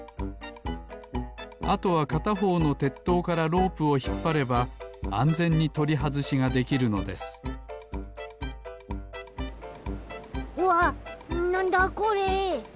あとはかたほうのてっとうからロープをひっぱればあんぜんにとりはずしができるのですわっなんだこれ！？